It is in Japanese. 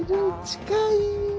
近い。